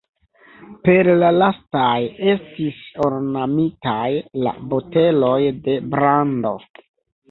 Per la lastaj estis ornamitaj la boteloj de brando.